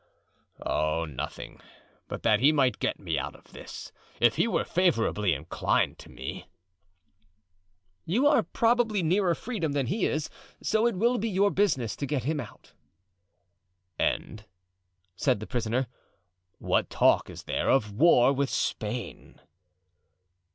"Oh, nothing, but that he might get me out of this, if he were favorably inclined to me." "You are probably nearer freedom than he is, so it will be your business to get him out." "And," said the prisoner, "what talk is there of war with Spain?"